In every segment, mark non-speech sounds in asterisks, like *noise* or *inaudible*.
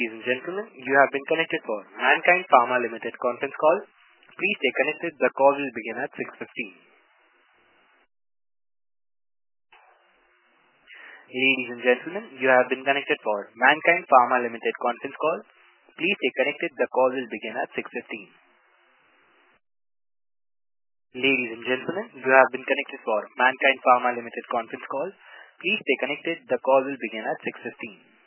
xf *audio distortion* at 6:15. Ladies and gentlemen, you have been connected to Mankind Pharma Emmanuel Walter Conference Call. Please stay connected. The call will begin at 6:15. Ladies and gentlemen, you have been connected to Mankind Pharma Emmanuel Walter Conference Call. Please stay connected. The call will begin at 6:15.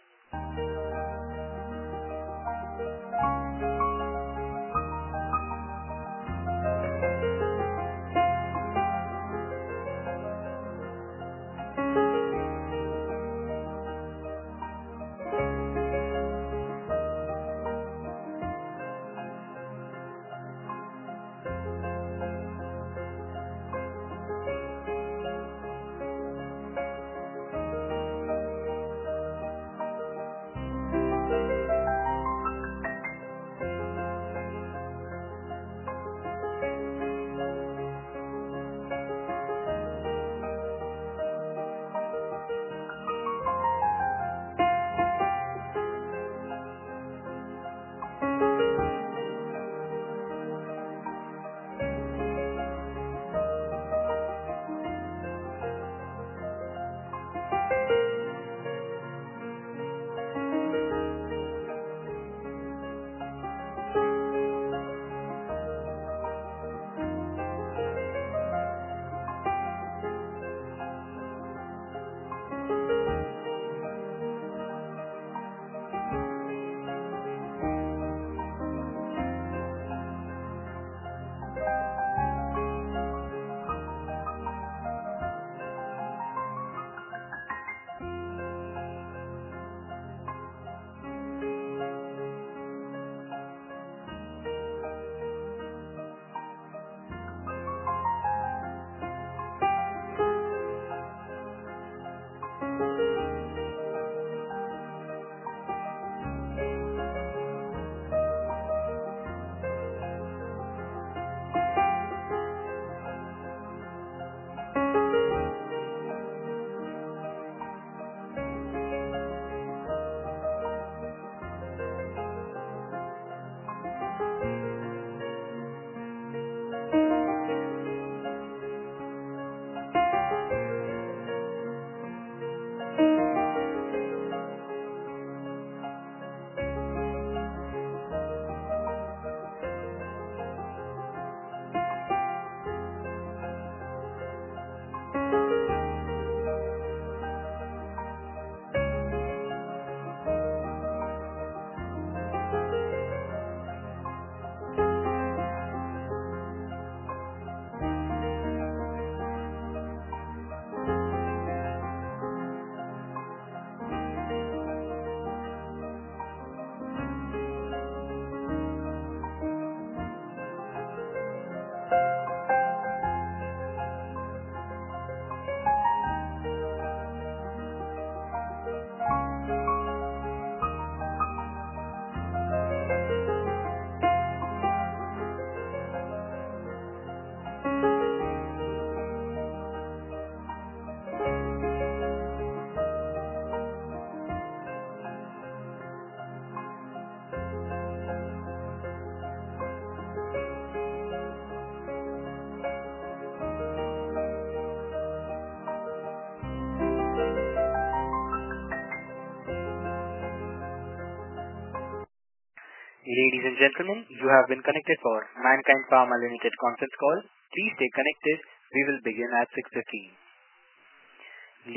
Ladies and gentlemen, you have been connected to Mankind Pharma Emmanuel Conference Call. Please stay connected. The call will begin at 6:15.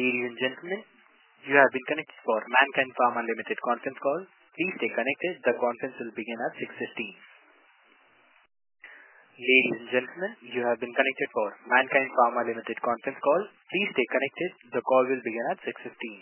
Ladies and gentlemen, you have been connected to Mankind Pharma Emmanuel Conference Call. Please stay connected. The call will begin at 6:15. Ladies and gentlemen, you have been connected to Mankind Pharma Emmanuel Conference Call. Please stay connected. The call will begin at 6:15.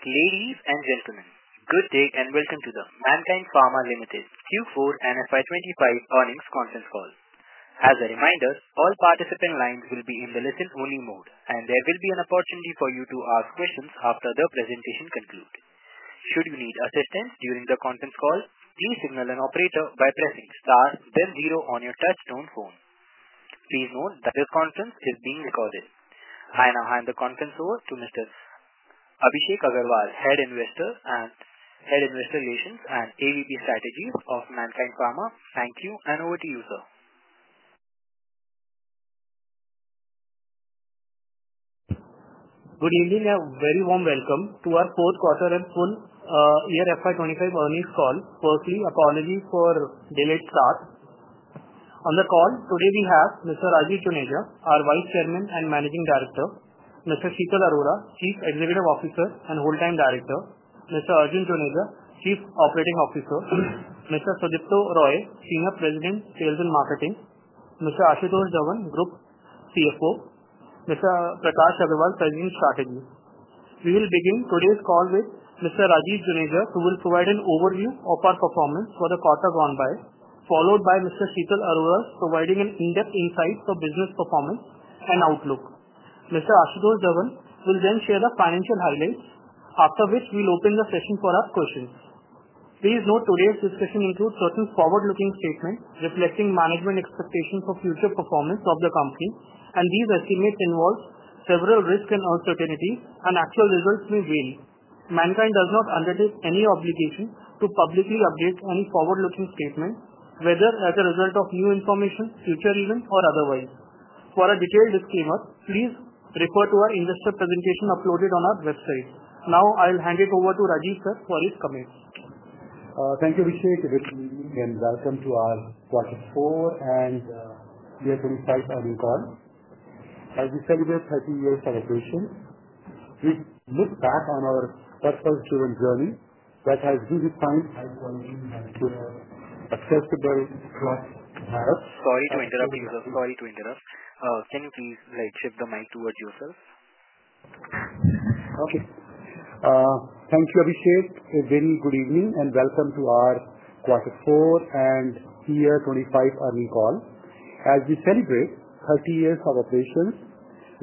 Ladies and gentlemen, good day and welcome to the Mankind Pharma Q4 and FY 2025 earnings conference call. As a reminder, all participant lines will be in the listen-only mode, and there will be an opportunity for you to ask questions after the presentation concludes. Should you need assistance during the conference call, please signal an operator by pressing star then zero on your touch-tone phone. Please note that this conference is being recorded. I now hand the conference over to Mr. Abhishek Agarwal, Head of Investor Relations and AVP Strategies of Mankind Pharma. Thank you, and over to you, sir. Good evening and a very warm welcome to our fourth quarter and full year FY 2025 earnings call. Firstly, apologies for the late start. On the call today, we have Mr. Rajeev Juneja, our Vice Chairman and Managing Director, Mr. Sheetal Arora, Chief Executive Officer and Whole Time Director, Mr. Arjun Juneja, Chief Operating Officer, Mr. Sudipta Roy, Senior President, Sales and Marketing, Mr. Ashutosh Dhawan, Group CFO, and Mr. Prakash Agarwal, President, Strategy. We will begin today's call with Mr. Rajeev Juneja, who will provide an overview of our performance for the quarter gone by, followed by Mr. Sheetal Arora providing an in-depth insight for business performance and outlook. Mr. Ashutosh Dhawan will then share the financial highlights, after which we will open the session for our questions. Please note today's discussion includes certain forward-looking statements reflecting management expectations for future performance of the company, and these estimates involve several risks and uncertainties, and actual results may vary. Mankind does not undertake any obligation to publicly update any forward-looking statement, whether as a result of new information, future events, or otherwise. For a detailed disclaimer, please refer to our investor presentation uploaded on our website. Now, I will hand it over to Rajeev sir for his comments. Thank you, Abhishek. Good evening and welcome to our quarter four and year 2025 earnings call. As we celebrate our 30-year celebration, we look back on our purpose-driven journey that has redefined high-quality and accessible health. Sorry to interrupt, please. Sorry to interrupt. Can you please shift the mic towards yourself? Okay. Thank you, Abhishek. A very good evening and welcome to our quarter four and year 2025 earnings call. As we celebrate 30 years of operations,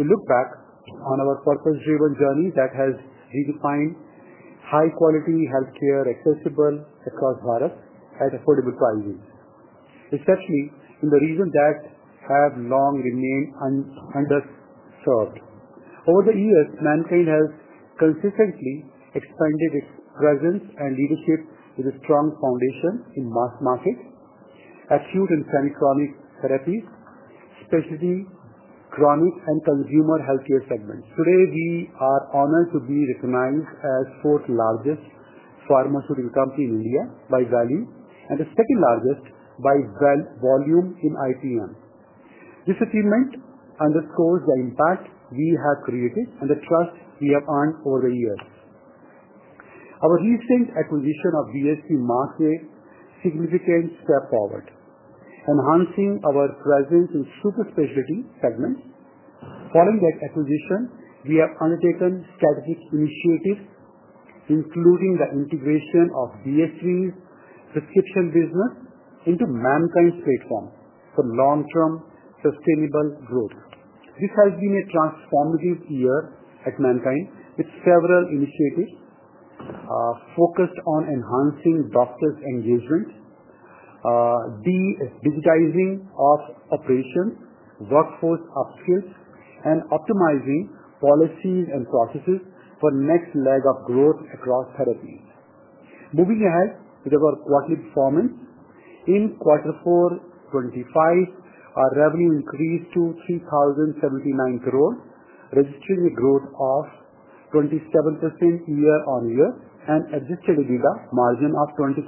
we look back on our purpose-driven journey that has redefined high-quality healthcare, accessible across the world at affordable prices, especially in the regions that have long remained underserved. Over the years, Mankind has consistently expanded its presence and leadership with a strong foundation in mass market, acute and semi-chronic therapies, especially chronic and consumer healthcare segments. Today, we are honored to be recognized as the fourth largest pharmaceutical company in India by value and the second largest by volume in IPM. This achievement underscores the impact we have created and the trust we have earned over the years. Our recent acquisition of VSC marks a significant step forward, enhancing our presence in super-specialty segments. Following that acquisition, we have undertaken strategic initiatives, including the integration of VSC's prescription business into Mankind's platform for long-term sustainable growth. This has been a transformative year at Mankind with several initiatives focused on enhancing doctors' engagement, the digitizing of operations, workforce upskills, and optimizing policies and processes for the next leg of growth across therapies. Moving ahead with our quarterly performance, in quarter four 2025, our revenue increased to 3,079 crore, registering a growth of 27% year-on-year and an Adjusted EBITDA margin of 23.1%.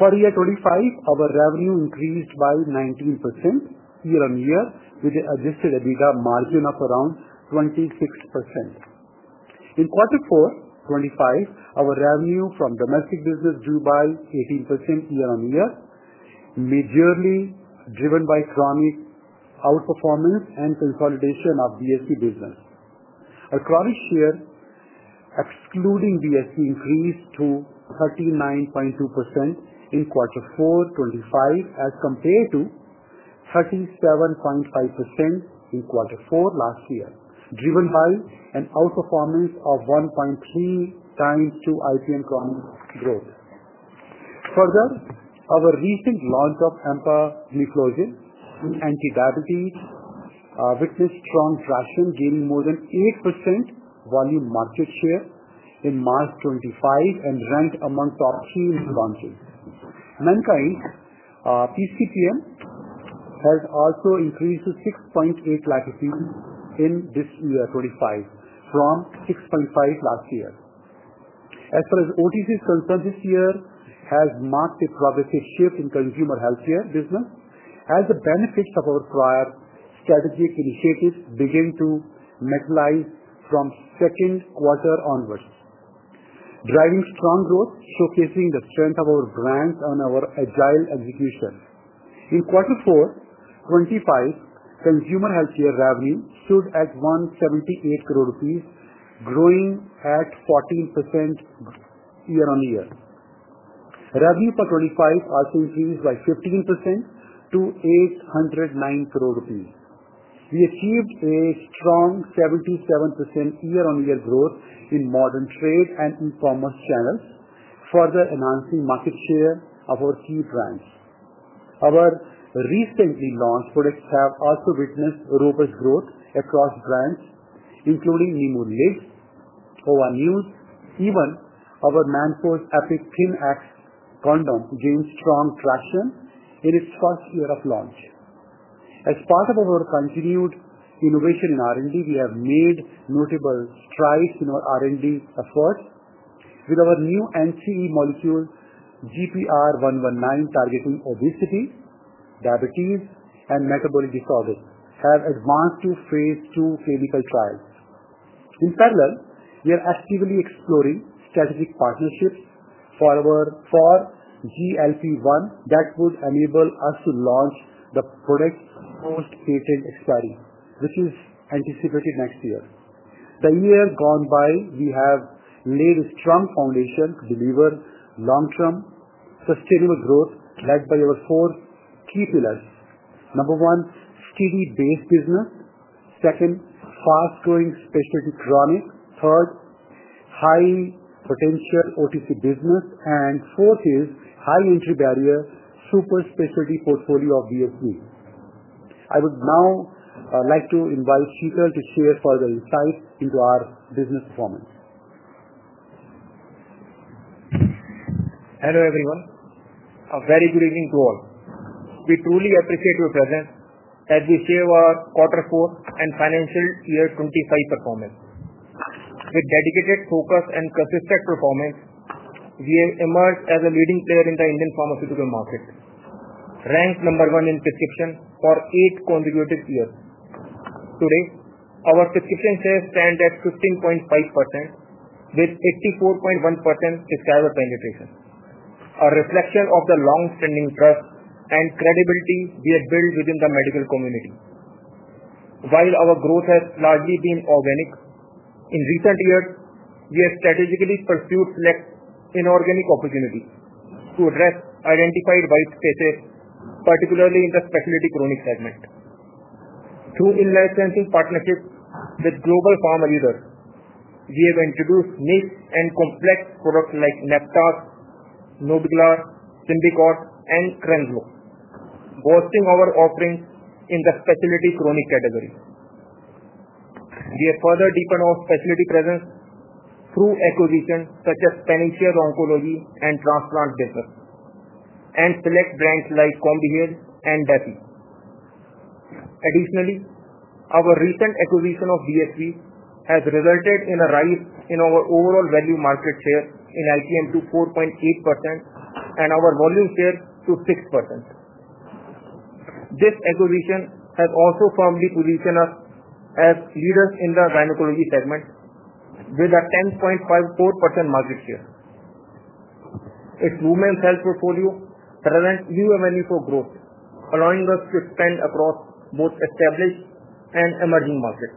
For year 2025, our revenue increased by 19% year-on-year with an Adjusted EBITDA margin of around 26%. In quarter four 2025, our revenue from domestic business grew by 18% year-on-year, majorly driven by chronic outperformance and consolidation of VSC business. Our chronic share, excluding VSC, increased to 39.2% in quarter four 2025 as compared to 37.5% in quarter four last year, driven by an outperformance of 1.3x to IPM chronic growth. Further, our recent launch of empagliflozin in anti-diabetes witnessed strong traction, gaining more than 8% volume market share in March 2025 and ranked among top three in advances. Mankind's PCPM has also increased to 6.8 lakh EP in this year 2025 from 6.5 last year. As far as OTC is concerned, this year has marked a progressive shift in consumer healthcare business as the benefits of our prior strategic initiatives began to materialize from second quarter onwards, driving strong growth, showcasing the strength of our brands and our agile execution. In quarter four 2025, consumer healthcare revenue stood at INR 178 crore, growing at 14% year-on-year. Revenue for 2025 also increased by 15% to 809 crore rupees. We achieved a strong 77% year-on-year growth in modern trade and e-commerce channels, further enhancing market share of our key brands. Our recently launched products have also witnessed robust growth across brands, including Nimulid, Ovoneus, even our Manforce Epic Thin X condom gained strong traction in its first year of launch. As part of our continued innovation in R&D, we have made notable strides in our R&D efforts with our new NCE molecule, GPR119, targeting obesity, diabetes, and metabolic disorders, which have advanced to phase two clinical trials. In parallel, we are actively exploring strategic partnerships for our GLP-1 that would enable us to launch the product post-patent expiry, which is anticipated next year. The year gone by, we have laid a strong foundation to deliver long-term sustainable growth led by our four key pillars. Number one, steady-based business. Second, fast-growing specialty chronic. Third, high-potential OTC business. Fourth is high-entry barrier super-specialty portfolio of VSC. I would now like to invite Sheetal to share further insights into our business performance. Hello everyone. A very good evening to all. We truly appreciate your presence as we share our quarter four and financial year 2025 performance. With dedicated focus and consistent performance, we have emerged as a leading player in the Indian pharmaceutical market, ranked number one in prescription for eight consecutive years. Today, our prescription shares stand at 15.5% with 84.1% discover penetration. A reflection of the long-standing trust and credibility we have built within the medical community. While our growth has largely been organic, in recent years, we have strategically pursued select inorganic opportunities to address identified white spaces, particularly in the specialty chronic segment. Through in-licensing partnerships with global pharma leaders, we have introduced niche and complex products like Neptas, Nobiglar, Symbicort, and Crenzlo, boosting our offerings in the specialty chronic category. We have further deepened our specialty presence through acquisitions such as Peninsula Oncology and Transplant Business and select brands like Combihill and DESI. Additionally, our recent acquisition of VSC has resulted in a rise in our overall value market share in IPM to 4.8% and our volume share to 6%. This acquisition has also firmly positioned us as leaders in the gynecology segment with a 10.54% market share. Its women's health portfolio presents new avenues for growth, allowing us to expand across both established and emerging markets.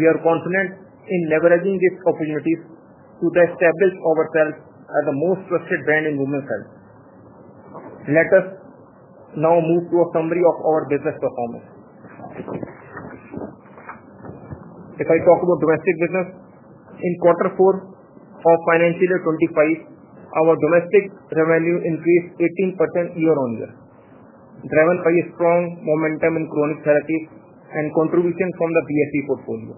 We are confident in leveraging these opportunities to establish ourselves as the most trusted brand in women's health. Let us now move to a summary of our business performance. If I talk about domestic business, in quarter four of financial year 2025, our domestic revenue increased 18% year-on-year, driven by a strong momentum in chronic therapies and contributions from the VSC portfolio.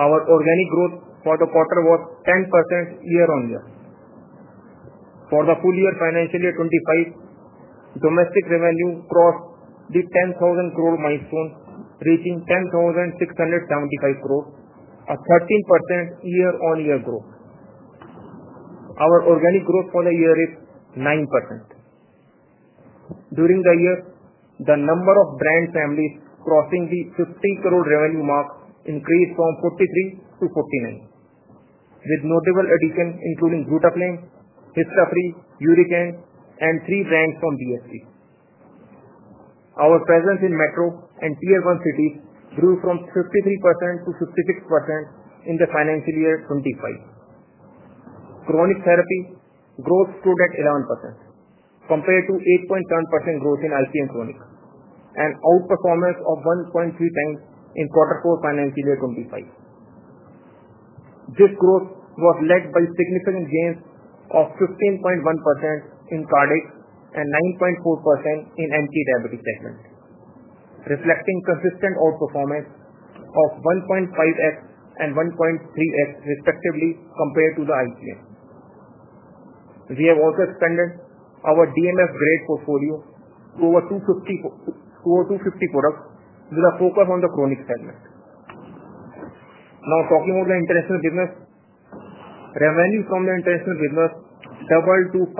Our organic growth for the quarter was 10% year-on-year. For the full year financial year 2025, domestic revenue crossed the 10,000 crore milestone, reaching 10,675 crore, a 13% year-on-year growth. Our organic growth for the year is 9%. During the year, the number of brand families crossing the INR 50 crore revenue mark increased from 43-49, with notable additions including Glutathione, Histofree, Uricane, and three brands from VSC. Our presence in metro and tier-one cities grew from 53%-56% in the financial year 2025. Chronic therapy growth stood at 11% compared to 8.7% growth in IPM chronic, an outperformance of 1.3x in quarter four financial year 2025. This growth was led by significant gains of 15.1% in cardiac and 9.4% in anti-diabetic segment, reflecting consistent outperformance of 1.5x and 1.3x, respectively, compared to the IPM. We have also expanded our DMF grade portfolio to over 250 products with a focus on the chronic segment. Now, talking about the international business, revenue from the international business doubled to 535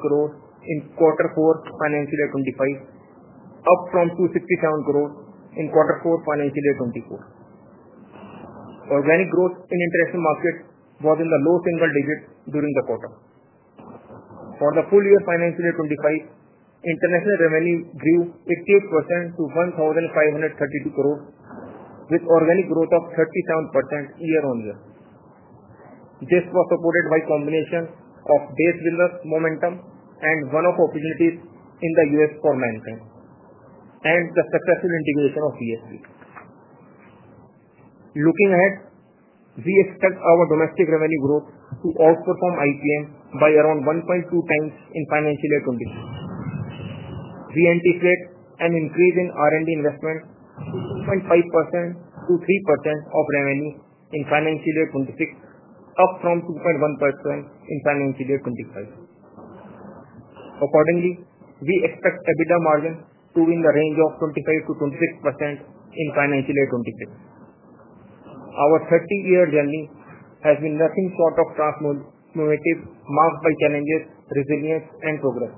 crore in quarter four financial year 2025, up from 267 crore in quarter four financial year 2024. Organic growth in international markets was in the low single digit during the quarter. For the full year financial year 2025, international revenue grew 88% to 1,532 crore, with organic growth of 37% year-on-year. This was supported by a combination of base business momentum and one-off opportunities in the US for Mankind and the successful integration of VSC. Looking ahead, we expect our domestic revenue growth to outperform IPM by around 1.2x in financial year 2023. We anticipate an increase in R&D investment to 2.5%-3% of revenue in financial year 2026, up from 2.1% in financial year 2025. Accordingly, we expect EBITDA margin to be in the range of 25%-26% in financial year 2026. Our 30-year journey has been nothing short of transformative, marked by challenges, resilience, and progress.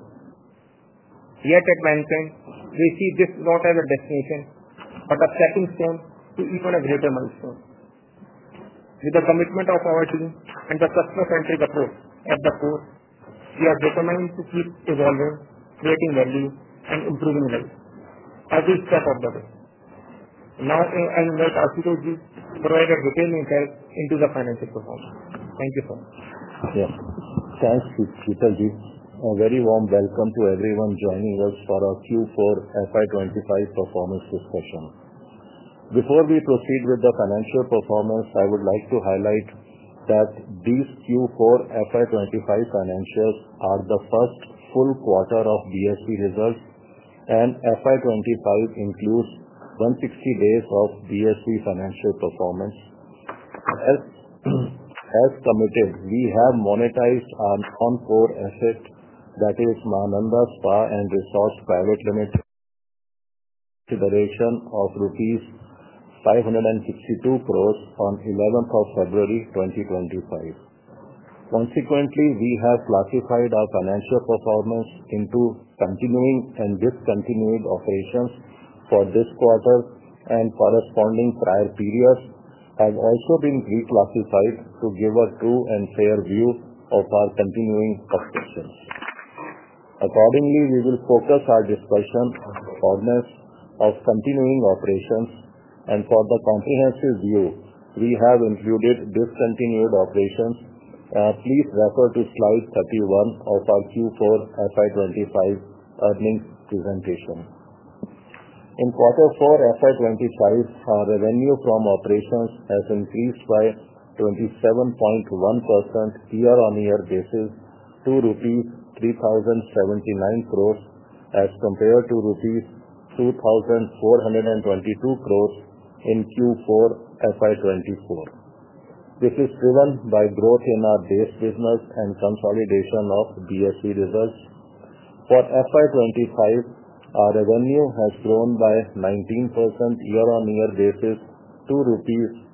Yet at Mankind, we see this not as a destination but a stepping stone to even a greater milestone. With the commitment of our team and the customer-centric approach at the core, we are determined to keep evolving, creating value, and improving value every step of the way. Now, I invite Ashutosh Ji to provide a detailed insight into the financial performance. Thank you so much. Yes. Thanks, Sheetal Ji. A very warm welcome to everyone joining us for our Q4 FY 2025 performance discussion. Before we proceed with the financial performance, I would like to highlight that these Q4 FY 2025 financials are the first full quarter of VSC results, and FY 2025 includes 160 days of VSC financial performance. As committed, we have monetized our non-core asset, that is, Mananda Spa and Resorts Private Limited, with a consideration of rupees 562 crore on 11th of February 2025. Consequently, we have classified our financial performance into continuing and discontinued operations for this quarter and corresponding prior periods, and also been reclassified to give a true and fair view of our continuing objections. Accordingly, we will focus our discussion on the performance of continuing operations, and for the comprehensive view, we have included discontinued operations. Please refer to slide 31 of our Q4 FY 2025 earnings presentation. In quarter four FY 2025, our revenue from operations has increased by 27.1% year-on-year basis to 3,079 crore rupees, as compared to 2,422 crore rupees in Q4 FY 2024. This is driven by growth in our base business and consolidation of VSC results. For FY 2025, our revenue has grown by 19% year-on-year basis to INR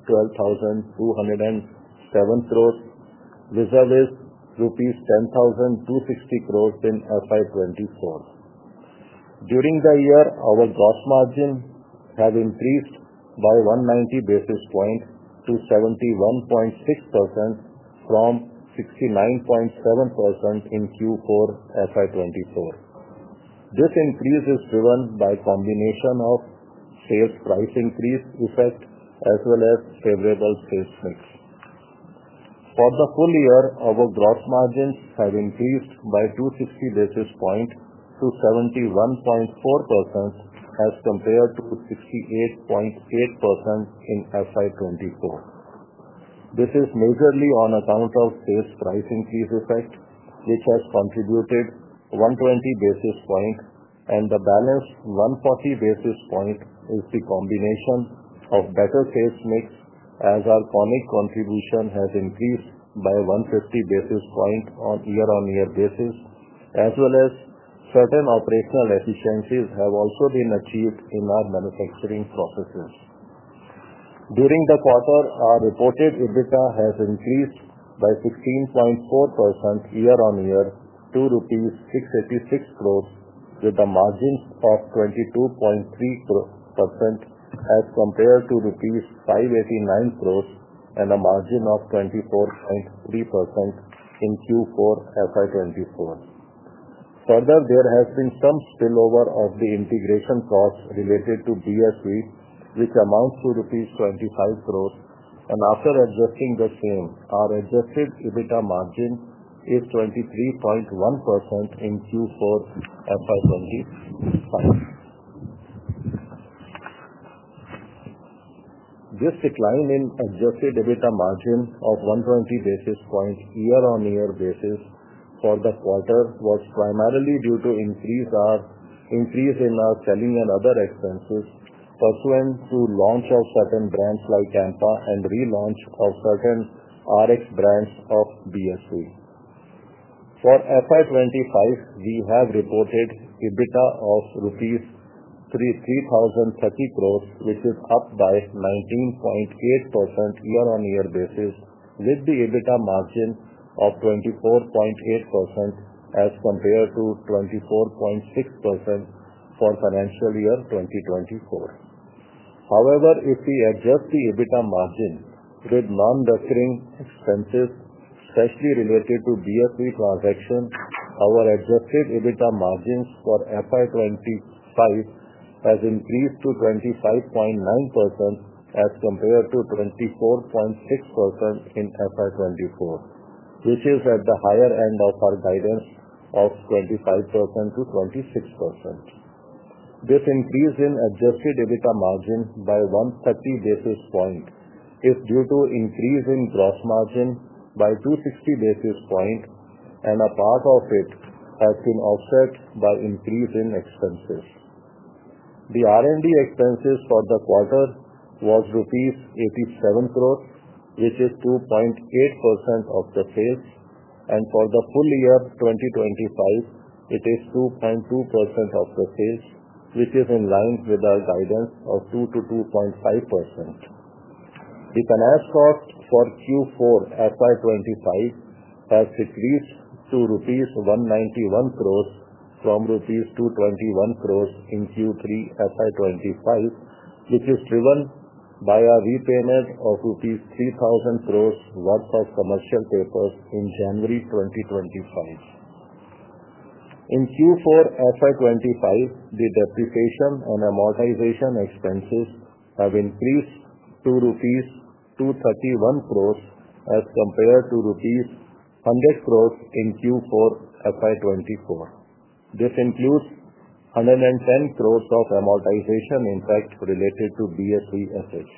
12,207 crore, with a risk of rupees 10,260 crore in FY 2024. During the year, our gross margin has increased by 190 basis points to 71.6% from 69.7% in Q4 FY 2024. This increase is driven by a combination of sales price increase effect as well as favorable sales mix. For the full year, our gross margins have increased by 260 basis points to 71.4% as compared to 68.8% in FY 2024. This is majorly on account of sales price increase effect, which has contributed 120 basis points, and the balance 140 basis points is the combination of better sales mix, as our chronic contribution has increased by 150 basis points on a year-on-year basis, as well as certain operational efficiencies have also been achieved in our manufacturing processes. During the quarter, our reported EBITDA has increased by 16.4% year-on-year to 686 crore, with a margin of 22.3% as compared to rupees 589 crore and a margin of 24.3% in Q4 2024. Further, there has been some spillover of the integration costs related to VSC, which amounts to rupees 25 crore, and after adjusting the same, our Adjusted EBITDA margin is 23.1% in Q4 2025. This decline in Adjusted EBITDA margin of 120 basis points year-on-year basis for the quarter was primarily due to an increase in our selling and other expenses pursuant to the launch of certain brands like Tampa and relaunch of certain RX brands of VSC. For FY 2025, we have reported EBITDA of INR 3,030 crore, which is up by 19.8% year-on-year basis, with the EBITDA margin of 24.8% as compared to 24.6% for financial year 2024. However, if we adjust the EBITDA margin with non-recurring expenses, especially related to VSC transactions, our Adjusted EBITDA margins for FY 2025 have increased to 25.9% as compared to 24.6% in FY 2024, which is at the higher end of our guidance of 25%-26%. This increase in Adjusted EBITDA margin by 130 basis points is due to an increase in gross margin by 260 basis points, and a part of it has been offset by an increase in expenses. The R&D expenses for the quarter were rupees 87 crore, which is 2.8% of the sales, and for the full year 2025, it is 2.2% of the sales, which is in line with our guidance of 2%-2.5%. The finance cost for Q4 FY 2025 has decreased to rupees 191 crore from rupees 221 crore in Q3 FY 2025, which is driven by a repayment of rupees 3,000 crore worth of commercial papers in January 2025. In Q4 FY 2025, the depreciation and amortization expenses have increased to rupees 231 crore as compared to rupees 100 crore in Q4 FY 2024. This includes 110 crore of amortization impact related to VSC assets.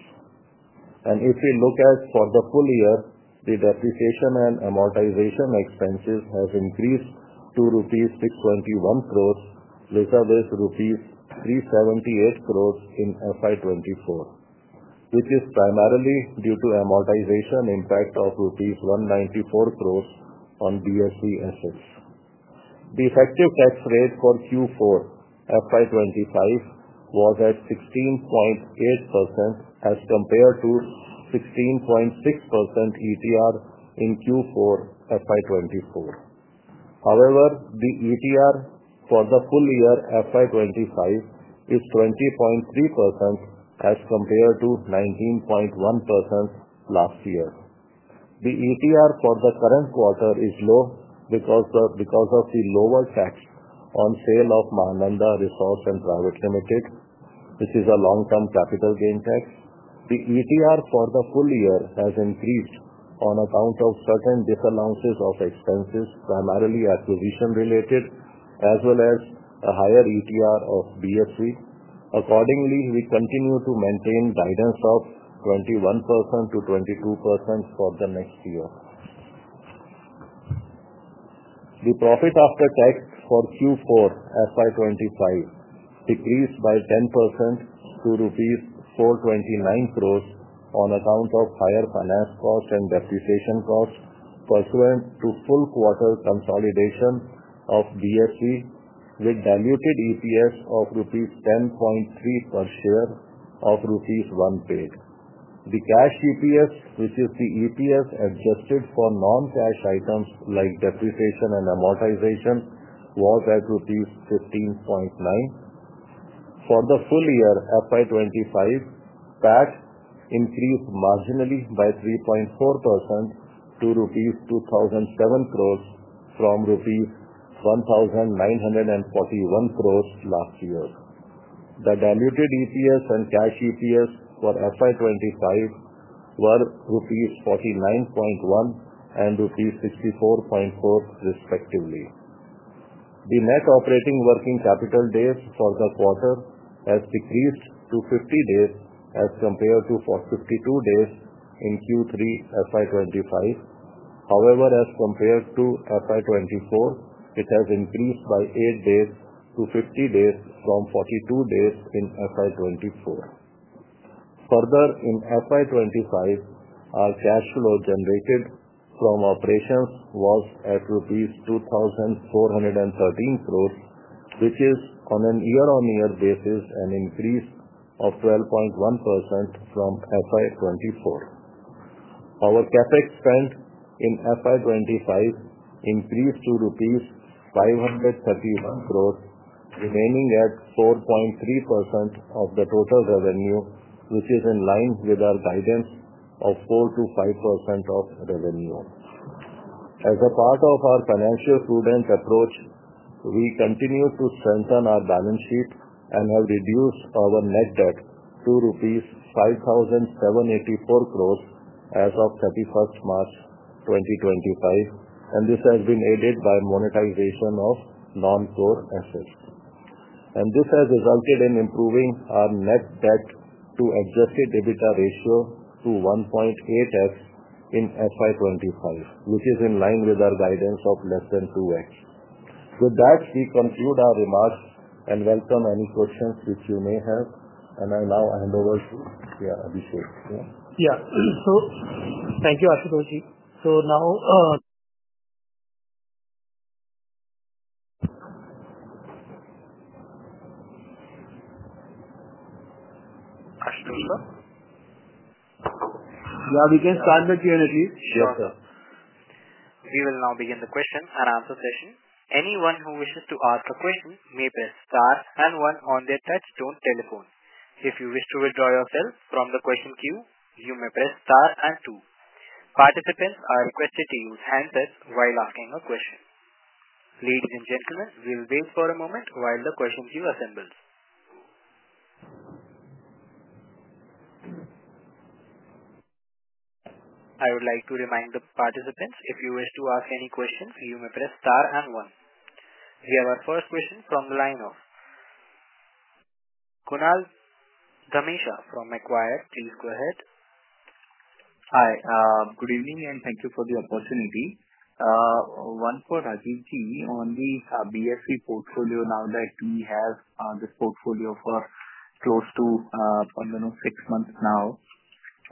If we look at the full year, the depreciation and amortization expenses have increased to rupees 621 crore, with a risk of INR 378 crore in FY 2024, which is primarily due to the amortization impact of rupees 194 crore on VSC assets. The effective tax rate for Q4 FY 2025 was at 16.8% as compared to 16.6% ETR in Q4 FY 2024. However, the ETR for the full year FY 2025 is 20.3% as compared to 19.1% last year. The ETR for the current quarter is low because of the lower tax on sale of Mananda Spa and Resorts Private Limited, which is a long-term capital gain tax. The ETR for the full year has increased on account of certain disallowances of expenses, primarily acquisition-related, as well as a higher ETR of VSC. Accordingly, we continue to maintain guidance of 21%-22% for the next year. The profit after tax for Q4 FY 2025 decreased by 10% to rupees 429 crore on account of higher finance costs and depreciation costs pursuant to full quarter consolidation of VSC, with diluted EPS of rupees 10.3 per share of rupees 1 paid. The cash EPS, which is the EPS adjusted for non-cash items like depreciation and amortization, was at 15.9. For the full year FY 2025, PAT increased marginally by 3.4% to rupees 2,007 crore from rupees 1,941 crore last year. The diluted EPS and cash EPS for FY 2025 were INR 49.1 and 64.4, respectively. The net operating working capital days for the quarter have decreased to 50 days as compared to 52 days in Q3 FY 2025. However, as compared to FY 2024, it has increased by 8 days to 50 days from 42 days in FY 2024. Further, in FY 2025, our cash flow generated from operations was at rupees 2,413 crore, which is, on a year-on-year basis, an increase of 12.1% from FY 2024. Our CapEx spend in FY 2025 increased to rupees 531 crore, remaining at 4.3% of the total revenue, which is in line with our guidance of 4%-5% of revenue. As a part of our financially prudent approach, we continued to strengthen our balance sheet and have reduced our net debt to rupees 5,784 crore as of 31st March 2025, and this has been aided by monetization of non-core assets. This has resulted in improving our net debt to Adjusted EBITDA ratio to 1.8x in FY 2025, which is in line with our guidance of less than 2x. With that, we conclude our remarks and welcome any questions which you may have, and I now hand over to Abhishek. Yeah. Thank you, Ashutosh [Ji]. Now, *audio distortion* Yeah, we can start the Q&A, please. Yes, sir. We will now begin the question and answer session. Anyone who wishes to ask a question may press star and one on their touchstone telephone. If you wish to withdraw yourself from the question queue, you may press star and two. Participants are requested to use handsets while asking a question. Ladies and gentlemen, we will wait for a moment while the question queue assembles. I would like to remind the participants, if you wish to ask any questions, you may press star and one. We have our first question from the line of Kunal Dhamesha from Macquarie. Please go ahead. Hi, good evening and thank you for the opportunity. One for Rajeev Ji, on the VSC portfolio, now that we have this portfolio for close to six months now,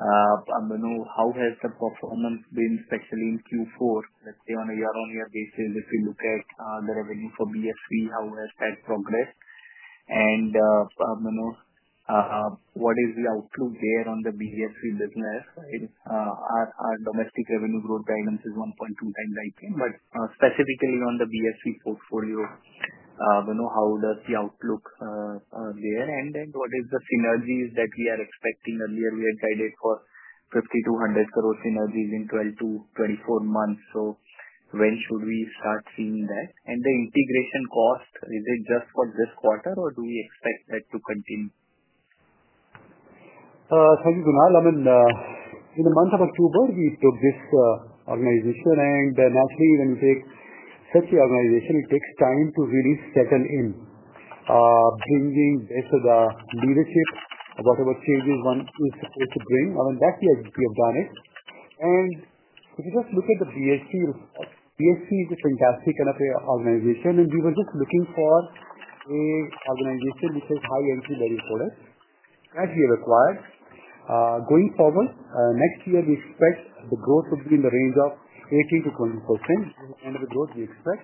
how has the performance been, especially in Q4? Let's say on a year-on-year basis if we look at the revenue for VSC, how has that progressed? What is the outlook there on the VSC business? Our domestic revenue growth guidance is 1.2x IPM, but specifically on the VSC portfolio, how does the outlook there? What are the synergies that we are expecting? Earlier, we had guided for 500 million-1 billion synergies in 12-24 months. When should we start seeing that? The integration cost, is it just for this quarter or do we expect that to continue? Thank you, Kunal. I mean, in the month of October, we took this organization, and naturally, when you take such an organization, it takes time to really settle in, bringing this to the leadership, whatever changes one is supposed to bring. I mean, that's the idea of doing it. If you just look at the VSC report, VSC is a fantastic kind of organization, and we were just looking for an organization which has high entry-level products. That we have acquired. Going forward, next year, we expect the growth to be in the range of 18%-20%. This is the kind of growth we expect.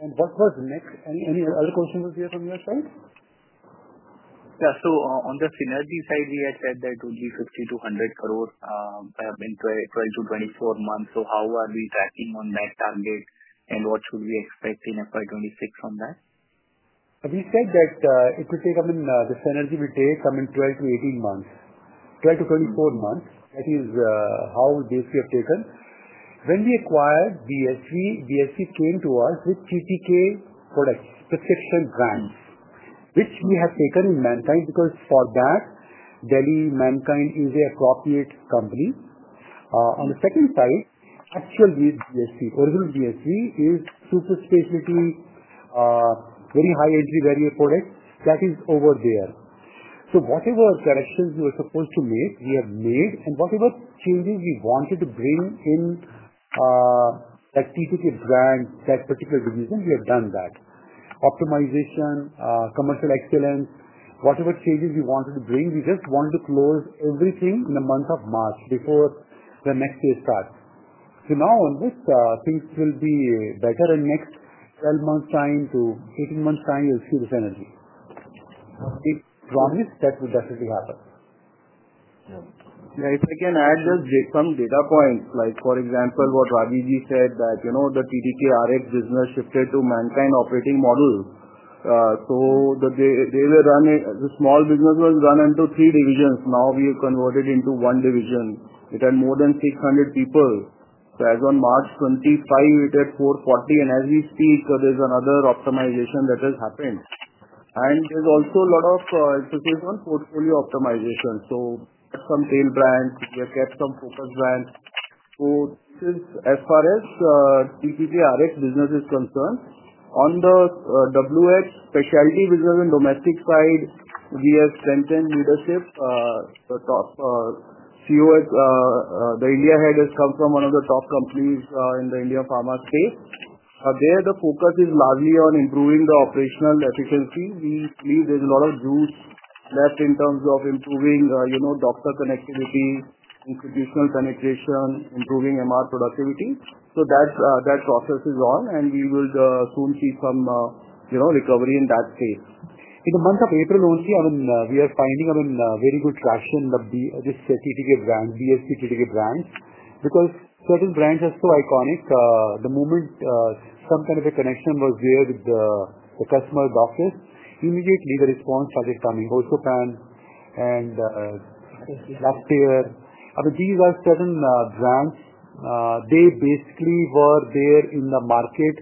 What was next? Any other questions here from your side? Yeah. On the synergy side, we had said that it would be 50 crore-100 crore in 12-24 months. How are we tracking on that target and what should we expect in FY 2026 on that? We said that it will take, I mean, the synergy will take, I mean, 12-18 months, 12-24 months. That is how VSC has taken. When we acquired VSC, VSC came to us with TTK products, prescription brands, which we have taken in Mankind because for that, Delhi Mankind is an appropriate company. On the second side, actual VSC, original VSC is super specialty, very high entry-level product that is over there. So whatever corrections we were supposed to make, we have made, and whatever changes we wanted to bring in that TTK brand, that particular division, we have done that. Optimization, commercial excellence, whatever changes we wanted to bring, we just wanted to close everything in the month of March before the next year starts. Now on this, things will be better, and next 12 months' time to 18 months' time, you'll see the synergy. I promise that will definitely happen. Yeah. If I can add just some data points, like for example, what Rajeev Ji said, that the TTK RX business shifted to Mankind operating model. They were running the small business into three divisions. Now we have converted into one division. It had more than 600 people. As of March 25, it had 440, and as we speak, there's another optimization that has happened. There's also a lot of, as you say, some portfolio optimization. We got some tail brands, we have kept some focus brands. As far as TTK RX business is concerned, on the WX specialty business and domestic side, we have strengthened leadership. The top CO, the India head, has come from one of the top companies in the India pharma space. There, the focus is largely on improving the operational efficiency. We believe there's a lot of juice left in terms of improving doctor connectivity, institutional penetration, improving MR productivity. That process is on, and we will soon see some recovery in that space. In the month of April only, I mean, we are finding, I mean, very good traction, this TTK brand, VSC TTK brand, because certain brands are so iconic. The moment some kind of a connection was there with the customer doctors, immediately, the response started coming. Hosopan and Laptear. I mean, these are certain brands. They basically were there in the market,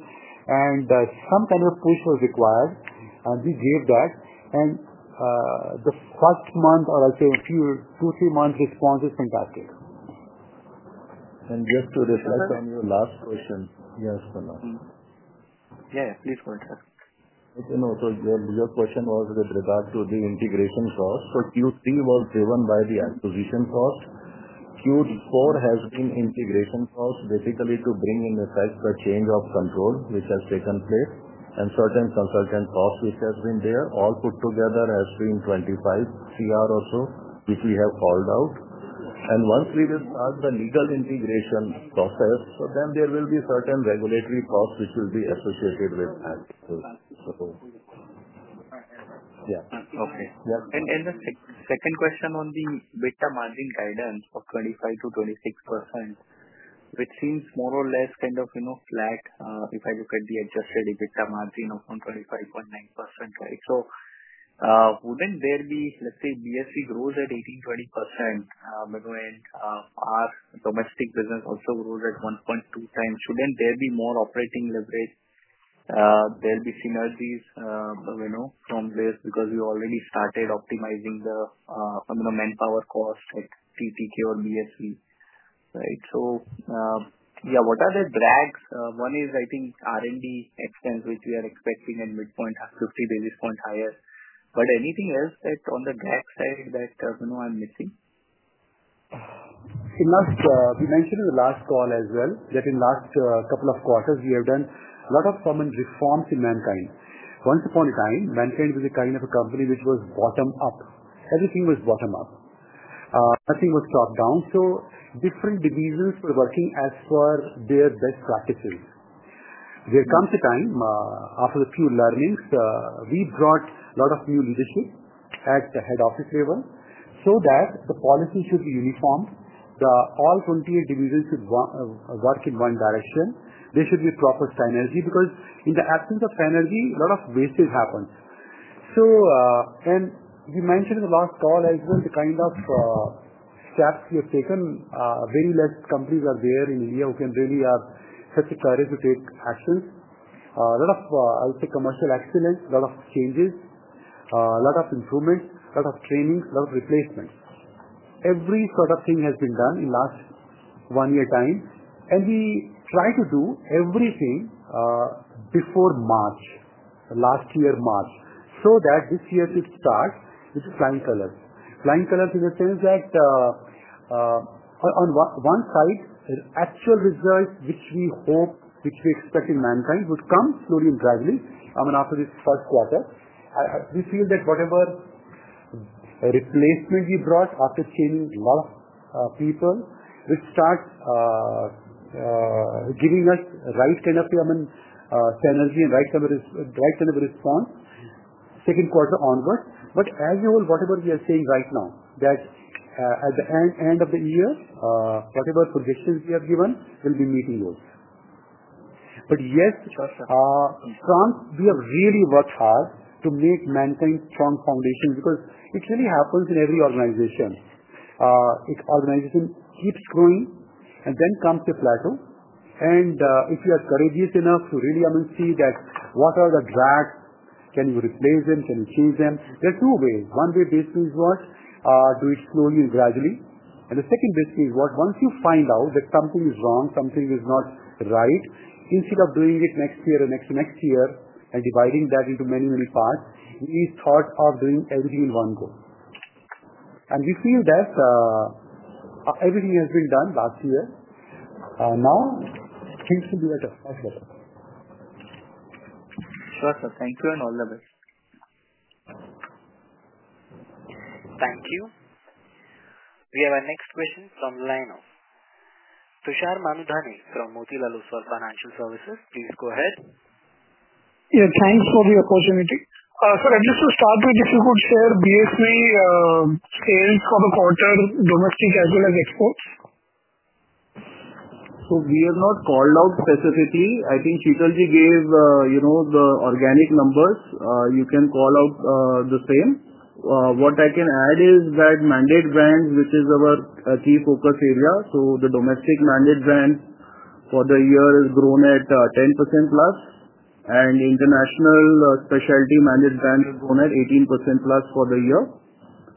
and some kind of push was required, and we gave that. The first month, or I'll say a few, two, three months' response is fantastic. Just to reflect on your last question, yes, Kunal. Yeah, yeah. Please go ahead. Okay. No, so your question was with regard to the integration cost. Q3 was driven by the acquisition cost. Q4 has been integration cost, basically to bring in effect the change of control which has taken place and certain consultant costs which have been there. All put together has been 250 million or so, which we have called out. Once we start the legal integration process, there will be certain regulatory costs which will be associated with that. So, yeah. Okay. The second question on the EBITDA margin guidance of 25%-26%, which seems more or less kind of flat if I look at the Adjusted EBITDA margin of 25.9%, right? Wouldn't there be, let's say, VSC grows at 18%-20%, but when our domestic business also grows at 1.2x, shouldn't there be more operating leverage? There will be synergies from this because we already started optimizing the manpower cost at TTK or VSC, right? What are the drags? One is, I think, R&D expense, which we are expecting at midpoint, 50 basis points higher. Anything else on the drag side that I'm missing? We mentioned in the last call as well that in the last couple of quarters, we have done a lot of common reforms in Mankind. Once upon a time, Mankind was a kind of a company which was bottom-up. Everything was bottom-up. Nothing was top-down. Different divisions were working as per their best practices. There comes a time, after a few learnings, we brought a lot of new leadership at the head office level so that the policies should be uniform. All 28 divisions should work in one direction. There should be proper synergy because in the absence of synergy, a lot of wastage happens. We mentioned in the last call as well the kind of steps we have taken. Very few companies are there in India who can really have such a courage to take actions. A lot of, I would say, commercial excellence, a lot of changes, a lot of improvements, a lot of training, a lot of replacements. Every sort of thing has been done in the last one year's time. We try to do everything before March, last year March, so that this year could start with flying colors. Flying colors in the sense that, on one side, the actual results which we hope, which we expect in Mankind, would come slowly and gradually, I mean, after this first quarter. We feel that whatever replacement we brought after changing a lot of people, which starts giving us the right kind of synergy and right kind of response second quarter onward. As you know, whatever we are saying right now, that at the end of the year, whatever projections we have given will be meeting those. Yes, we have really worked hard to make Mankind strong foundations because it really happens in every organization. An organization keeps growing and then comes to a plateau. If you are courageous enough to really see what are the drags, can you replace them, can you change them? There are two ways. One way basically is what? Do it slowly and gradually. The second basically is what? Once you find out that something is wrong, something is not right, instead of doing it next year and next year and dividing that into many, many parts, we thought of doing everything in one go. We feel that everything has been done last year. Now things will be much better. Sure, sir. Thank you and all the best. Thank you. We have our next question from the line of Tushar Manudhane from Motilal Oswal Financial Services. Please go ahead. Yeah, thanks for the opportunity. Just to start with, if you could share VSC sales for the quarter, domestic as well as exports. We have not called out specifically. I think Sheetalji gave the organic numbers. You can call out the same. What I can add is that mandate brands, which is our key focus area. The domestic mandate brand for the year has grown at 10%+, and international specialty mandate brand has grown at 18%+ for the year.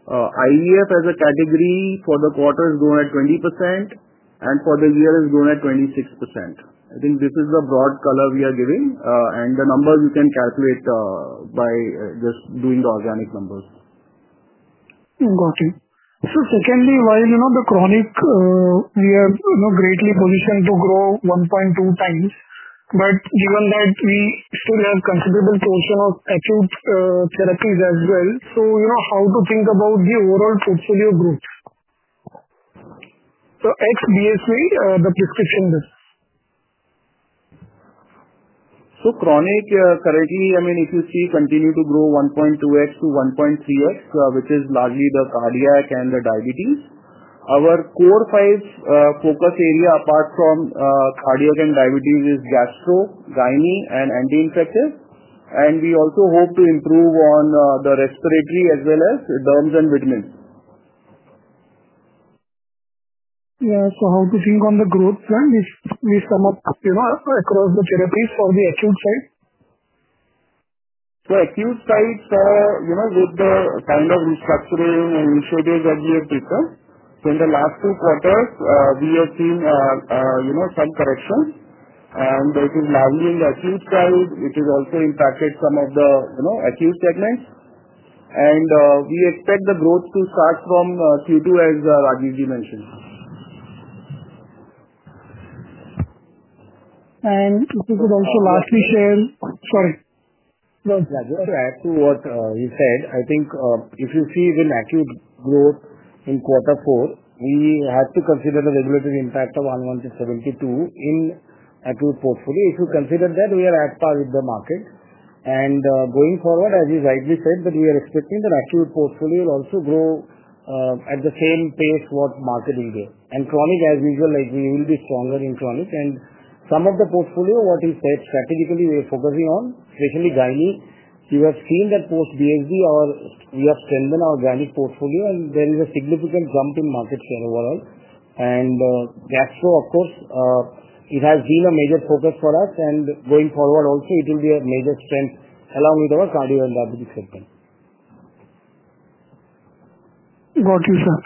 IEF as a category for the quarter has grown at 20%, and for the year has grown at 26%. I think this is the broad color we are giving, and the numbers you can calculate by just doing the organic numbers. Got it. Secondly, while the chronic, we are greatly positioned to grow 1.2x, but given that we still have a considerable portion of acute therapies as well, how to think about the overall portfolio growth? Ex-VSC, the prescription business. Chronic, currently, I mean, if you see, continue to grow 1.2x to 1.3x, which is largely the cardiac and the diabetes. Our core five focus area, apart from cardiac and diabetes, is gastro, gyne, and anti-infective. We also hope to improve on the respiratory as well as derms and vitamins. Yeah. So how to think on the growth plan if we sum up across the therapies for the acute side? Acute side with the kind of restructuring and initiatives that we have taken. In the last two quarters, we have seen some corrections, and it is largely in the acute side. It has also impacted some of the acute segments. We expect the growth to start from Q2, as Rajeev mentioned. If you could also lastly share—sorry. Yeah. Go ahead. To what you said, I think if you see even acute growth in quarter four, we had to consider the regulatory impact of Unwanted-72 in acute portfolio. If you consider that, we are at par with the market. Going forward, as you rightly said, we are expecting that acute portfolio will also grow at the same pace what market is there. Chronic, as usual, we will be stronger in chronic. Some of the portfolio, what you said, strategically we are focusing on, especially gyne. You have seen that post-VSC, we have strengthened our gyne portfolio, and there is a significant jump in market share overall. Gastro, of course, it has been a major focus for us, and going forward also, it will be a major strength along with our cardio and diabetes segment. Got you, sir.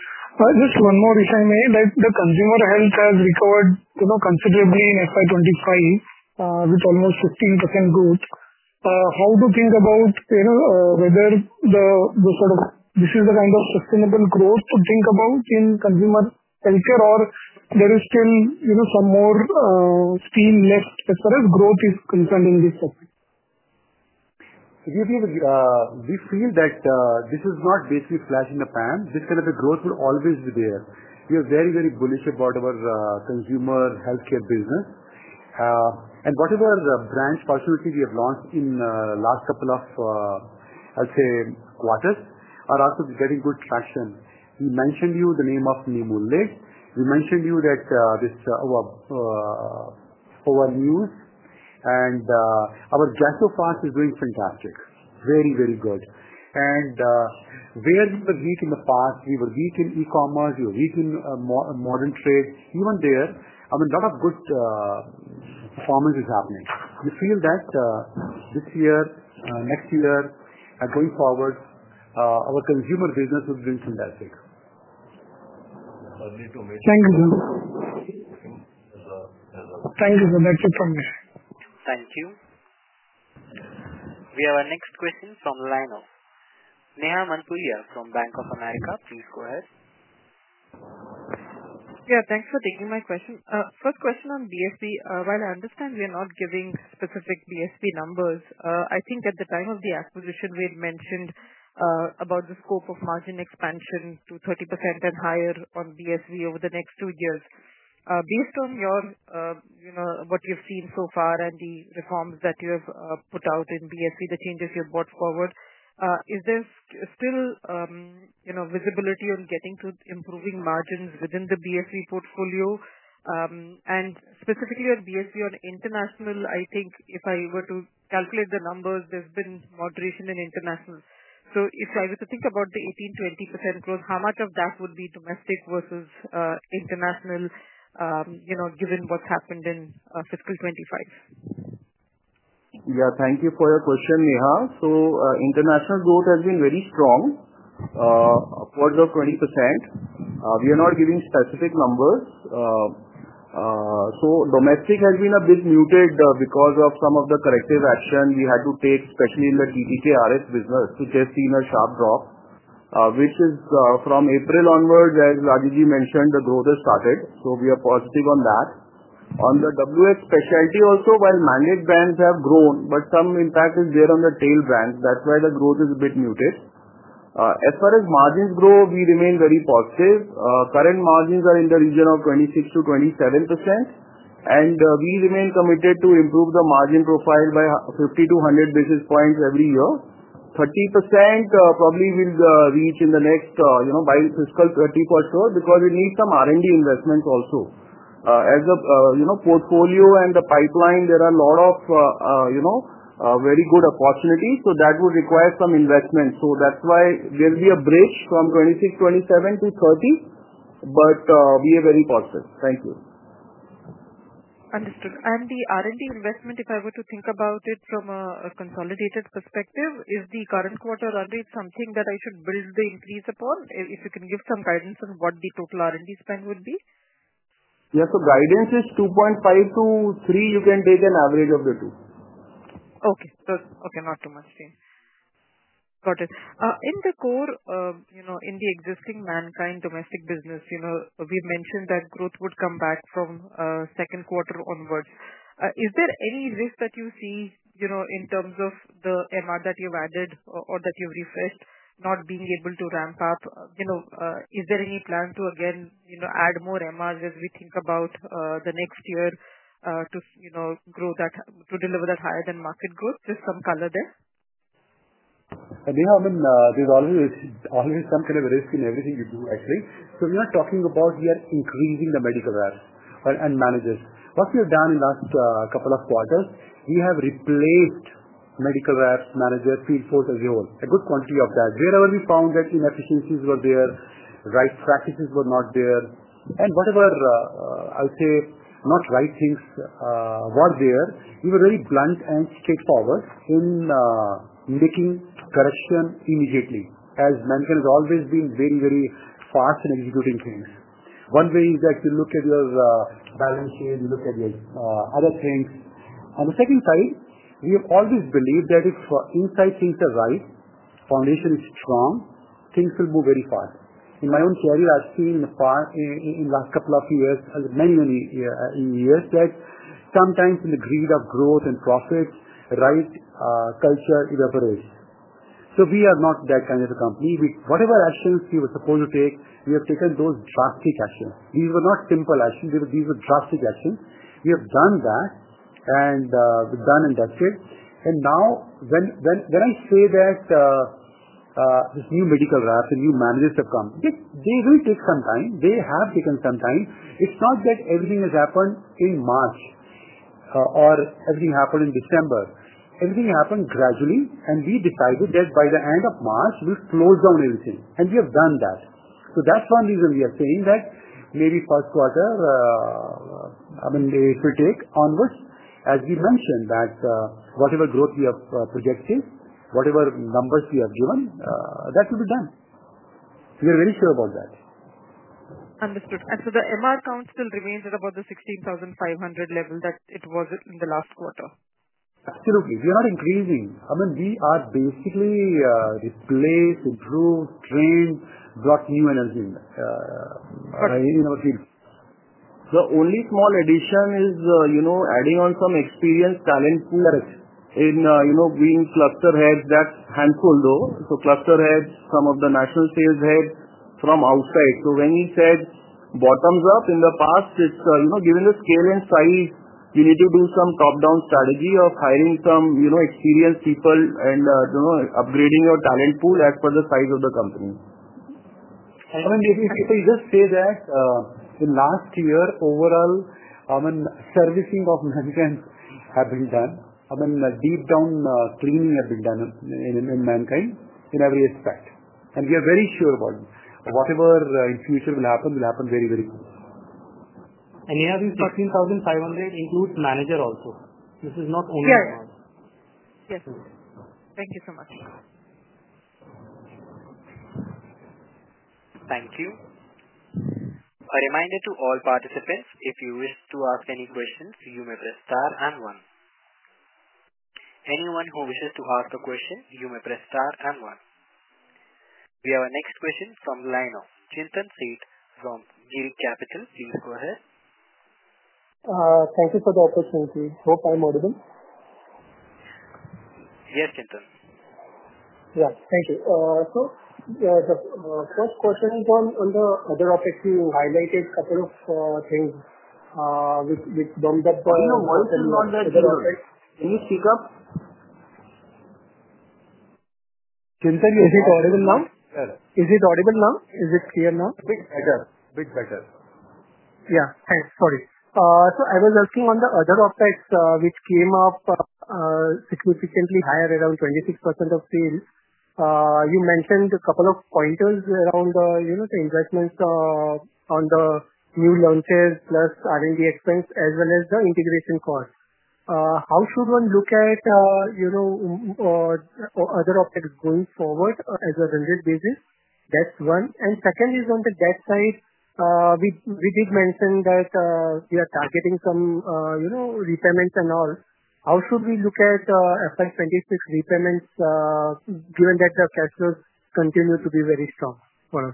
Just one more, if I may. The consumer health has recovered considerably in 2025 with almost 15% growth. How to think about whether this is the kind of sustainable growth to think about in consumer healthcare, or there is still some more steam left as far as growth is concerned in this segment? We feel that this is not basically a flash in the pan. This kind of growth will always be there. We are very, very bullish about our consumer healthcare business. Whatever brands, fortunately, we have launched in the last couple of, I'll say, quarters are also getting good traction. We mentioned to you the name of Nimulid. We mentioned to you that Ovoneus and our gastro part is doing fantastic. Very, very good. Where we were weak in the past, we were weak in e-commerce, we were weak in modern trade. Even there, I mean, a lot of good performance is happening. We feel that this year, next year, and going forward, our consumer business will be doing fantastic. Thank you. Thank you so much. Thank you. We have our next question from the line of Neha Manpuria from Bank of America. Please go ahead. Yeah. Thanks for taking my question. First question on VSC. While I understand we are not giving specific VSC numbers, I think at the time of the acquisition, we had mentioned about the scope of margin expansion to 30% and higher on VSC over the next two years. Based on what you've seen so far and the reforms that you have put out in VSC, the changes you have brought forward, is there still visibility on getting to improving margins within the VSC portfolio? Specifically on VSC on international, I think if I were to calculate the numbers, there's been moderation in international. If I were to think about the 18%-20% growth, how much of that would be domestic versus international, given what's happened in fiscal 2025? Yeah. Thank you for your question, Neha. International growth has been very strong, upwards of 20%. We are not giving specific numbers. Domestic has been a bit muted because of some of the corrective action we had to take, especially in the TTK Healthcare business, which has seen a sharp drop, which is from April onward, as Rajeev mentioned, the growth has started. We are positive on that. On the specialty business also, while mandate brands have grown, some impact is there on the tail brands. That's why the growth is a bit muted. As far as margins go, we remain very positive. Current margins are in the region of 26%-27%, and we remain committed to improve the margin profile by 50-100 basis points every year. 30% probably will reach in the next fiscal 30 for sure because we need some R&D investments also. As a portfolio and the pipeline, there are a lot of very good opportunities, so that would require some investment. That is why there will be a bridge from 26, 27 to 30, but we are very positive. Thank you. Understood. The R&D investment, if I were to think about it from a consolidated perspective, is the current quarter run rate something that I should build the increase upon? If you can give some guidance on what the total R&D spend would be? Yeah. Guidance is 2.5-3. You can take an average of the two. Okay. Okay. Not too much change. Got it. In the core, in the existing Mankind domestic business, we've mentioned that growth would come back from second quarter onwards. Is there any risk that you see in terms of the MR that you've added or that you've refreshed not being able to ramp up? Is there any plan to, again, add more MRs as we think about the next year to deliver that higher-than-market growth? Just some color there. Neeha, I mean, there's always some kind of risk in everything you do, actually. We are talking about we are increasing the medical reps and managers. What we have done in the last couple of quarters, we have replaced medical reps, managers, field force as a whole. A good quantity of that. Wherever we found that inefficiencies were there, right practices were not there, and whatever, I would say, not right things were there, we were very blunt and straightforward in making correction immediately, as Mankind has always been very, very fast in executing things. One way is that you look at your balance sheet, you look at your other things. On the second side, we have always believed that if inside things are right, foundation is strong, things will move very fast. In my own career, I've seen in the last couple of years, many, many years, that sometimes in the greed of growth and profit, right culture evaporates. We are not that kind of a company. Whatever actions we were supposed to take, we have taken those drastic actions. These were not simple actions. These were drastic actions. We have done that and done and dusted. Now when I say that this new medical reps, the new managers have come, they will take some time. They have taken some time. It's not that everything has happened in March or everything happened in December. Everything happened gradually, and we decided that by the end of March, we'll close down everything. We have done that. That's one reason we are saying that maybe first quarter, I mean, it will take onwards, as we mentioned, that whatever growth we have projected, whatever numbers we have given, that will be done. We are very sure about that. Understood. The MR count still remains at about the 16,500 level that it was in the last quarter? Absolutely. We are not increasing. I mean, we are basically replaced, improved, trained, brought new energy in our field. The only small addition is adding on some experienced talent pool in being cluster heads. That is handful, though. So cluster heads, some of the national sales heads from outside. When we said bottoms up in the past, it is given the scale and size, you need to do some top-down strategy of hiring some experienced people and upgrading your talent pool as per the size of the company. I mean, if you just say that in last year, overall, I mean, servicing of Mankind has been done. I mean, deep-down cleaning has been done in Mankind in every aspect. We are very sure about whatever in future will happen will happen very, very good. Neeha, this 13,500 includes manager also. This is not only *audio distortion* Yes. Thank you so much. Thank you. A reminder to all participants, if you wish to ask any questions, you may press star and one. Anyone who wishes to ask a question, you may press star and one. We have our next question from the line of Chintan Sheth from Girik Capital, please go ahead. Thank you for the opportunity. Hope I'm audible? Yes, Chintan. Yeah. Thank you. The first question on the other OpEx, you highlighted a couple of things which bumped up. Can you speak up? Chintan, is it audible now? Yeah. Is it audible now? Is it clear now? A bit better. Yeah. Thanks. Sorry. So I was asking on the other OpEx which came up significantly higher, around 26% of sales. You mentioned a couple of pointers around the investments on the new launches, plus R&D expense, as well as the integration costs. How should one look at other OpEx going forward? As a rendered basis. That's one. And second is, on the debt side, we did mention that we are targeting some repayments and all. How should we look at FY 2026 repayments, given that the cash flows continue to be very strong for us?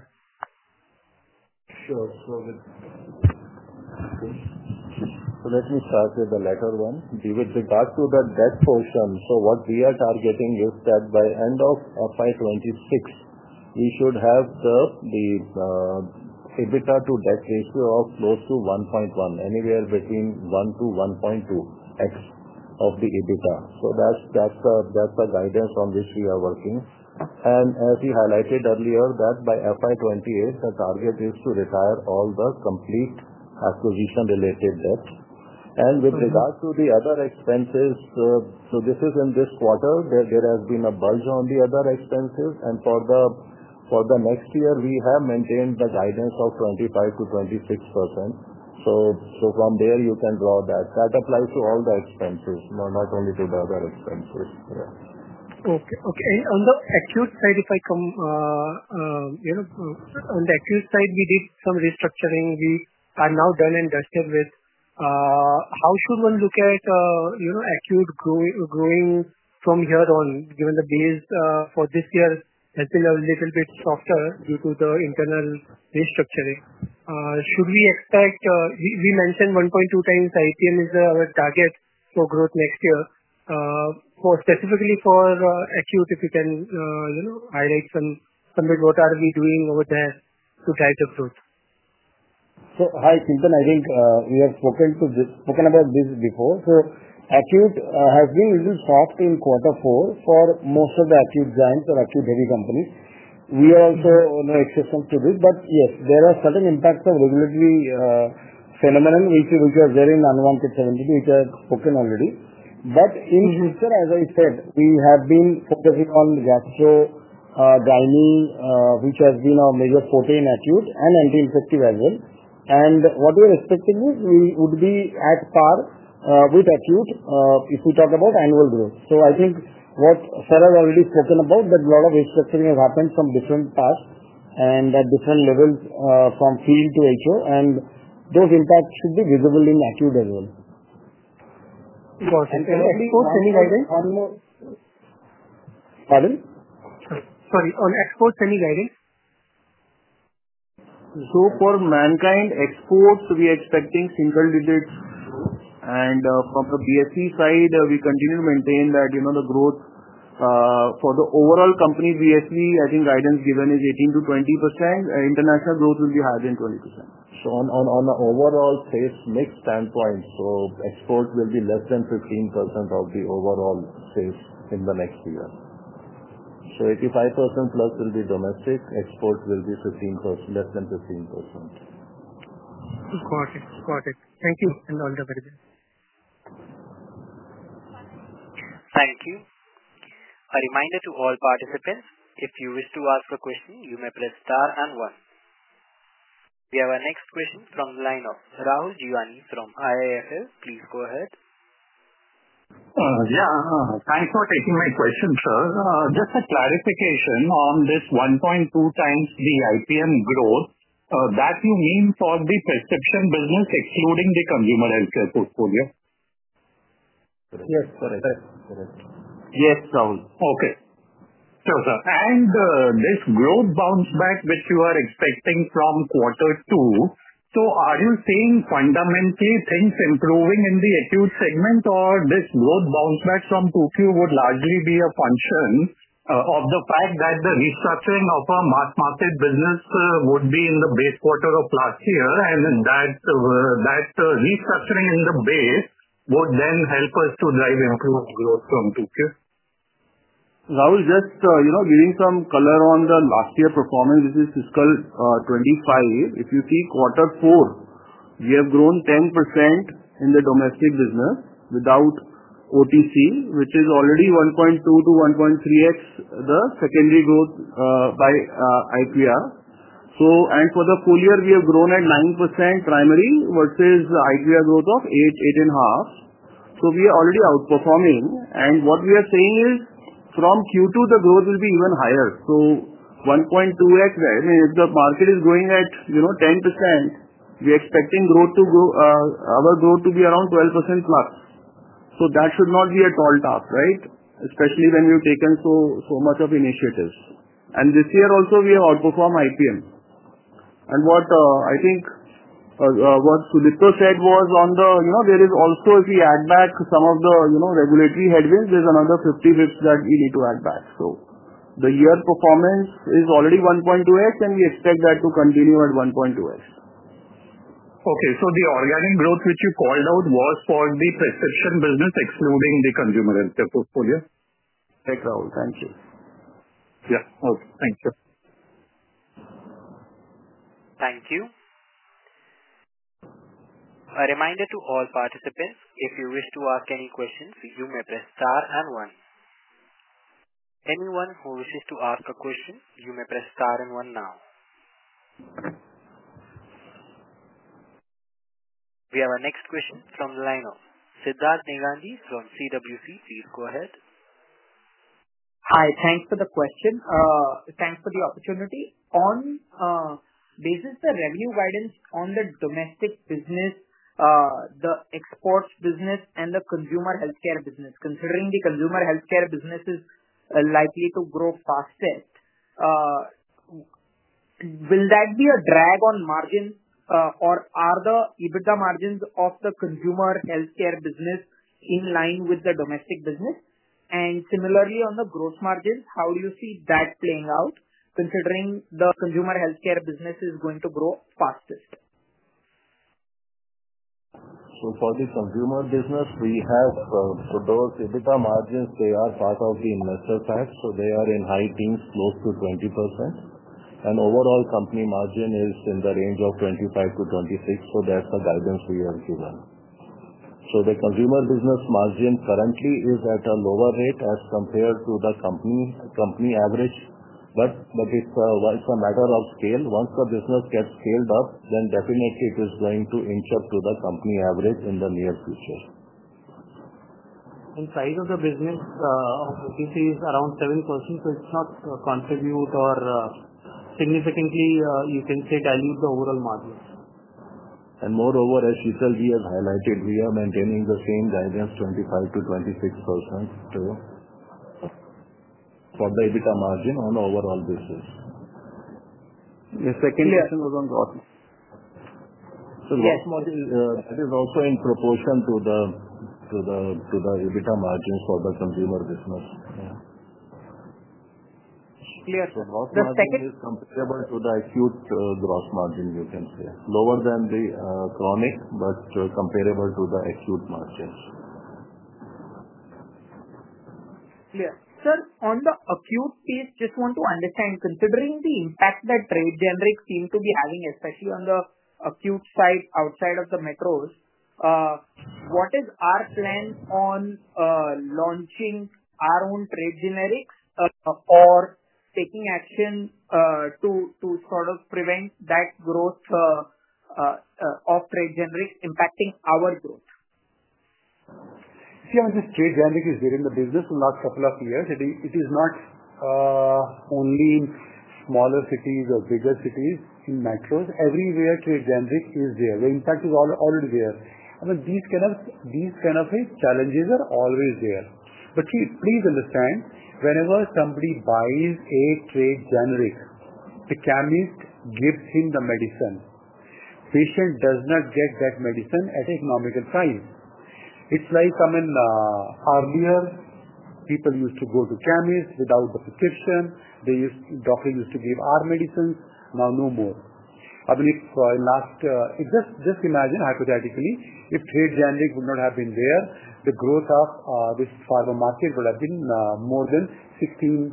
Sure. Let me start with the latter one. With regard to the debt portion, what we are targeting is that by end of FY 2026, we should have the EBITDA to debt ratio of close to 1.1, anywhere between 1-1.2x of the EBITDA. That is the guidance on which we are working. As we highlighted earlier, by FY 2028, the target is to retire all the complete acquisition-related debt. With regard to the other expenses, in this quarter, there has been a bulge on the other expenses. For the next year, we have maintained the guidance of 25%-26%. From there, you can draw that. That applies to all the expenses, not only to the other expenses. Yeah. Okay. On the acute side, if I come on the acute side, we did some restructuring. We are now done and dusted with how should one look at acute growing from here on, given the base for this year has been a little bit softer due to the internal restructuring? Should we expect we mentioned 1.2x IPM is our target for growth next year. Specifically for acute, if you can highlight some bit what are we doing over there to drive the growth? Hi, Chintan. I think we have spoken about this before. Acute has been a little soft in quarter four for most of the acute giants or acute heavy companies. We also know existence to this. Yes, there are certain impacts of regulatory phenomenon, which was there in Unwanted-72, which I have spoken already. In the future, as I said, we have been focusing on gastro dining, which has been our major forte in acute and anti-infective as well. What we are expecting is we would be at par with acute if we talk about annual growth. I think what Sarah has already spoken about, that a lot of restructuring has happened from different tasks and at different levels from field to HO. Those impacts should be visible in acute as well. Go ahead. Export semi-guidance? Pardon? Sorry. On export semi-guidance? For Mankind exports, we are expecting single digits. From the BSC side, we continue to maintain that the growth for the overall company BSC, I think guidance given is 18%-20%. International growth will be higher than 20%. On the overall sales mix standpoint, export will be less than 15% of the overall sales in the next year. Eighty-five percent plus will be domestic. Export will be less than 15%. Got it. Got it. Thank you. All the very best. Thank you. A reminder to all participants, if you wish to ask a question, you may press star and one. We have our next question from the line of Rahul Jeewani from IIFL. Please go ahead. Yeah. Thanks for taking my question, sir. Just a clarification on this 1.2x the IPM growth, that you mean for the prescription business, excluding the consumer healthcare portfolio? Yes. Correct. Yes, Rahul. Okay. Sure, sir. This growth bounce back, which you are expecting from quarter two, are you saying fundamentally things are improving in the acute segment, or this growth bounce back from 2Q would largely be a function of the fact that the restructuring of our mass market business would be in the base quarter of last year, and that restructuring in the base would then help us to drive improved growth from 2Q? Rahul, just giving some color on the last year performance, this is fiscal 2025. If you see quarter four, we have grown 10% in the domestic business without OTC, which is already 1.2-1.3x the secondary growth by IPM. For the full year, we have grown at 9% primary versus IPM growth of 8-8.5. We are already outperforming. What we are saying is from Q2, the growth will be even higher. 1.2x, if the market is growing at 10%, we are expecting our growth to be around 12%+. That should not be a tall talk, right? Especially when we have taken so much of initiatives. This year also, we have outperformed IPM. I think what Sudipta said was on the there is also, if we add back some of the regulatory headwinds, there is another 50 basis points that we need to add back. The year performance is already 1.2x, and we expect that to continue at 1.2x. Okay. So the organic growth, which you called out, was for the prescription business, excluding the consumer healthcare portfolio? Yes, Rahul. Thank you. Yeah. Okay. Thank you. Thank you. A reminder to all participants, if you wish to ask any questions, you may press star and one. Anyone who wishes to ask a question, you may press star and one now. We have our next question from the line of Sidharth Negandhi from CWC. Please go ahead. Hi. Thanks for the question. Thanks for the opportunity. On basis of the revenue guidance on the domestic business, the exports business, and the consumer healthcare business, considering the consumer healthcare business is likely to grow faster, will that be a drag on margins, or are the EBITDA margins of the consumer healthcare business in line with the domestic business? Similarly, on the gross margins, how do you see that playing out, considering the consumer healthcare business is going to grow fastest? For the consumer business, we have for those EBITDA margins, they are part of the investor tax. They are in high teens, close to 20%. Overall company margin is in the range of 25%-26%. That is the guidance we have given. The consumer business margin currently is at a lower rate as compared to the company average. It is a matter of scale. Once the business gets scaled up, then definitely it is going to inch up to the company average in the near future. The size of the business, OTC is around 7%. It does not contribute or significantly, you can say, dilute the overall margin. Moreover, as Sheetal ji has highlighted, we are maintaining the same guidance, 25%-26% for the EBITDA margin on overall basis. The second question was on gross. That is also in proportion to the EBITDA margins for the consumer business. Clear. The second is comparable to the acute gross margin, you can say. Lower than the chronic, but comparable to the acute margins. Clear. Sir, on the acute piece, just want to understand, considering the impact that trade generics seemed to be having, especially on the acute side outside of the metros, what is our plan on launching our own trade generics or taking action to sort of prevent that growth of trade generics impacting our growth? See, I mean, this trade generics is there in the business in the last couple of years. It is not only in smaller cities or bigger cities in metros. Everywhere trade generics is there. The impact is already there. I mean, these kind of challenges are always there. Please understand, whenever somebody buys a trade generics, the chemist gives him the medicine. Patient does not get that medicine at economical price. It's like, I mean, earlier, people used to go to chemist without the prescription. The doctor used to give our medicines. Now no more. I mean, just imagine hypothetically, if trade generics would not have been there, the growth of this pharma market would have been more than 16-17%.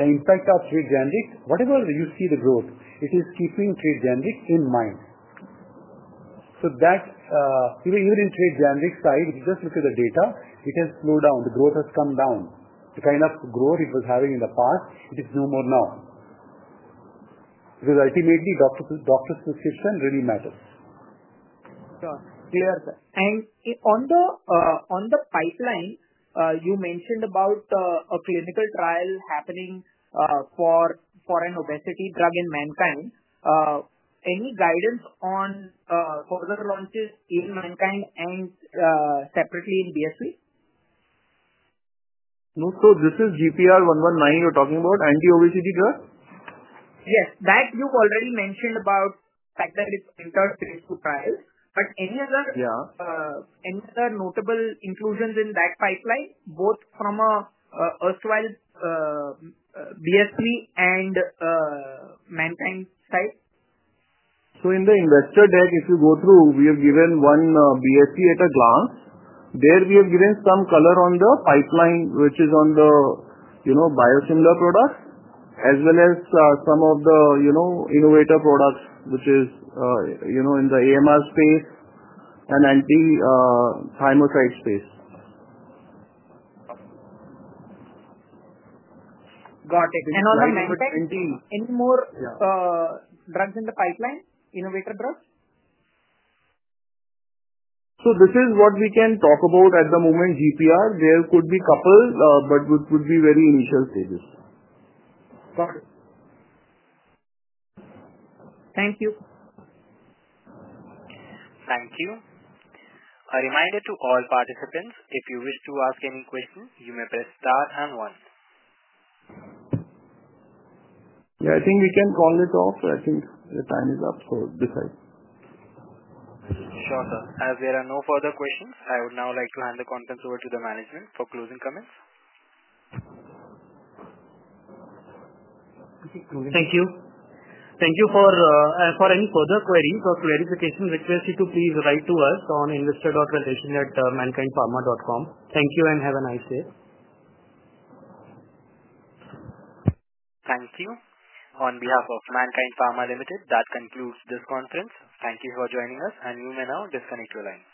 The impact of trade generics, whatever you see the growth, it is keeping trade generics in mind. Even in trade generics side, if you just look at the data, it has slowed down. The growth has come down. The kind of growth it was having in the past, it is no more now. Because ultimately, doctor's prescription really matters. Sure. Clear, sir. On the pipeline, you mentioned about a clinical trial happening for foreign obesity drug in Mankind. Any guidance on further launches in Mankind and separately in BSV? No. So this is GPR119 you're talking about, anti-obesity drug? Yes. That you've already mentioned about factory-based trials. Any other notable inclusions in that pipeline, both from an erstwhile BSC and Mankind side? In the investor deck, if you go through, we have given one BSV at a glance. There we have given some color on the pipeline, which is on the biosimilar products, as well as some of the innovator products, which is in the AMR space and anti-thymoside space. Got it. On the Mankind, any more drugs in the pipeline, innovator drugs? This is what we can talk about at the moment, GPR. There could be a couple, but it would be very initial stages. Got it. Thank you. Thank you. A reminder to all participants, if you wish to ask any question, you may press star and one. Yeah. I think we can call it off. I think the time is up, so decide. Sure, sir. As there are no further questions, I would now like to hand the conference over to the management for closing comments. Thank you. Thank you. For any further queries or clarification, request you to please write to us on investor.relation@mankindpharma.com. Thank you and have a nice day. Thank you. On behalf of Mankind Pharma, that concludes this conference. Thank you for joining us, and you may now disconnect your lines.